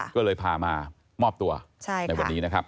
ก็เลยพามามอบตัวในวันนี้นะครับ